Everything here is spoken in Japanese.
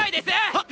あっ！